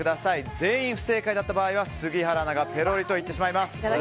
全員不正解だった場合は杉原アナがぺろりといってしまいます。